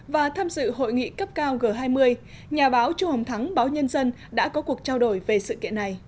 và tham dự hội nghị cấp cao g hai mươi nhà báo chu hồng thắng báo nhân dân đã có cuộc trao đổi về sự kiện này